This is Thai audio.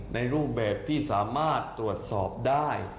ในรูปแบบที่สามารถตรวจสอบได้